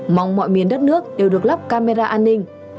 mong mọi miền đất nước đều được lắp camera an ninh